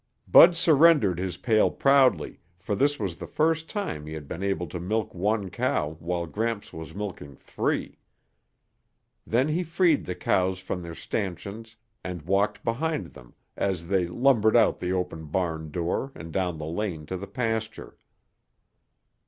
Bud surrendered his pail proudly for this was the first time he had been able to milk one cow while Gramps was milking three. Then he freed the cows from their stanchions and walked behind them as they lumbered out the open barn door and down the lane to the pasture.